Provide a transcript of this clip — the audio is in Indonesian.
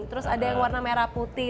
terus ada yang warna merah putih